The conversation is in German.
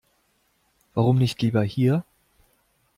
Warum nicht lieber hier?